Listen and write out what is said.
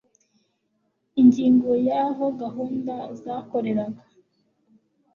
ingingo ya aho gahunda zakoreraga